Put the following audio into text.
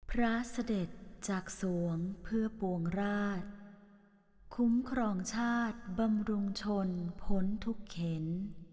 พระเสด็จจากสวงเพื่อปวงราชคุ้มครองชาติบำรุงชนพ้นทุกเข็น